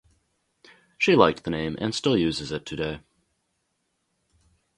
She liked the name and still uses it today.